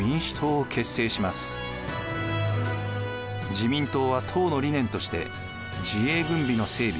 自民党は党の理念として自衛軍備の整備